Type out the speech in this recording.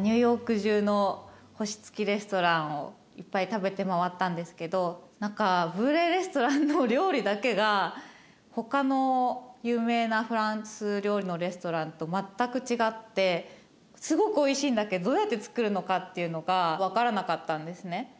ニューヨーク中の星付きレストランをいっぱい食べて回ったんですけど何かブーレイレストランの料理だけが他の有名なフランス料理のレストランと全く違ってすごくおいしいんだけどどうやってつくるのかっていうのが分からなかったんですね。